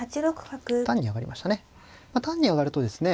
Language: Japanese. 単に上がるとですね